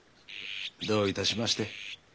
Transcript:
どういたしまして。